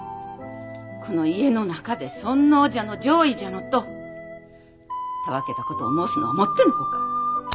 この家の中で尊皇じゃの攘夷じゃのとたわけたことを申すのはもっての外。